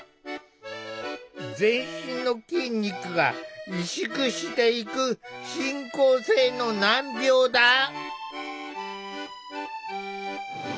全身の筋肉が萎縮していく進行性の難病だ。